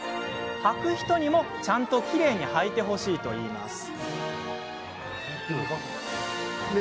はく人にもちゃんと、きれいにはいてほしいと、いいます。